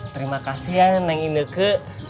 terima kasih ya neng ini ke